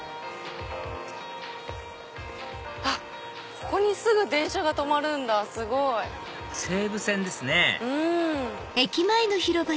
ここにすぐ電車が止まるんだすごい！西武線ですねうん！